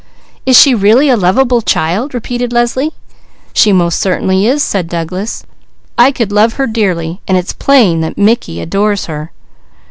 "Is she really a lovable child?" repeated Leslie. "She most certainly is," said Douglas. "I could love her dearly. It's plain that Mickey adores her.